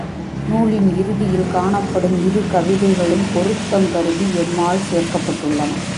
நூலின் இறுதியில் காணப்படும் இரு கவிதைகளும் பொருத்தம் கருதி எம்மால் சேர்க்கப்பட்டுள்ளன.